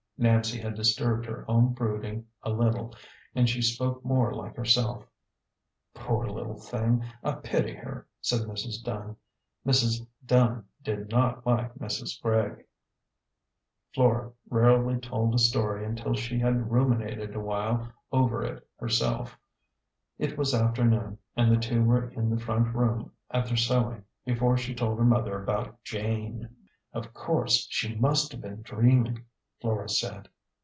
Nancy had disturbed her own brood ing a little, and she spoke more like herself. " Poor little thing ! I pity her," said Mrs. Dunn. Mrs. Dunn did not like Mrs. Gregg. Flora rarely told a story until she had ruminated awhile over it herself Jt was afternoon, and the two were in the A GENTLE GHOST. 247 front room at their sewing, before she told her mother about "Jane." " Of course she must have been dreaming," Flora said.